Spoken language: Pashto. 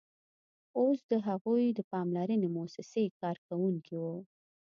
اوس هغوی د پاملرنې موسسې کارکوونکي وو